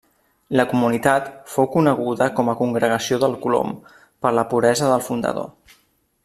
La comunitat fou coneguda com a Congregació del Colom, per la puresa del fundador.